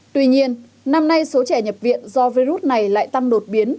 tuy nhiên năm nay số trẻ nhập viện do virus này lại tăng đột biến